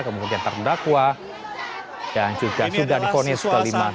kemudian terdakwa dan juga sudah dikonis kelima